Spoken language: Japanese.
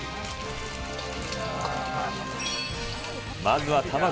まずは卵。